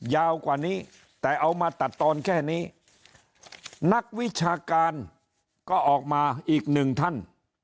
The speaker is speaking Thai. ยาวกว่านี้แต่เอามาตัดตอนแค่นี้นักวิชาการก็ออกมาอีกหนึ่งท่าน